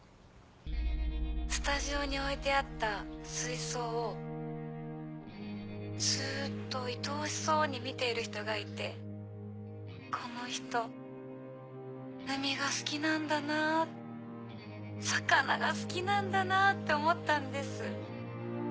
スタジオに置いてあった水槽をずっといとおしそうに見ている人がいてこの人海が好きなんだな魚が好きなんだなって思ったんです。